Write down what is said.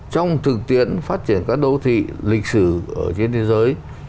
trong thực tiễn phát triển các đô thị lịch sử ở trên thế giới